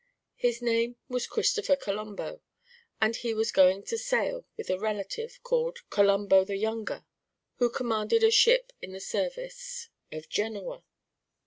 His name was Christopher Colombo, and he was going to sail with a relative called Colombo the Younger who commanded a ship in the service of Genoa.